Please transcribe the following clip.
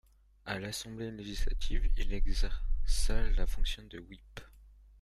À l'Assemblée législative, il exerça la fonction de whip.